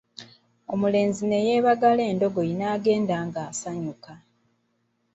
Omulenzi ne yeebagala endogoyi n'agenda ng'asanyuka.